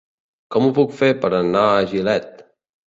Com ho puc fer per anar a Gilet?